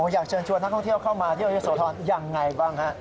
อยากเชิญชวนนักท่องเที่ยวเข้ามาเที่ยวเยอะโสธรยังไงบ้างฮะ